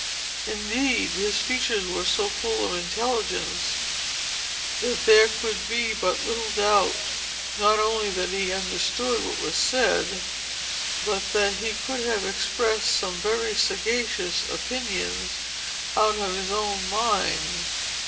Indeed, his features were so full of intelligence, that there could be but little doubt, not only that he understood what was said, but that he could have expressed some very sagacious opinions out of his own mind.